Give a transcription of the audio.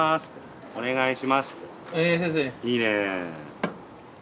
いいね。